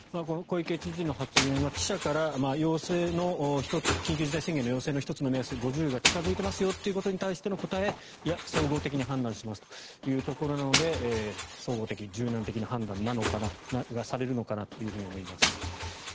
小池知事の発言は記者から緊急事態宣言の要請の１つの目安の５０が近付いていますよということに対しての答えいや、総合的に判断しますよということなので総合的、柔軟的な判断がされるのかなと思います。